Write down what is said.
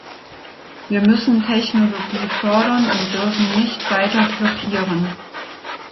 Wir müssen Technologie fördern und dürfen nicht weiter blockieren.